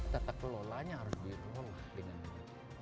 tata kelola nya harus dikelola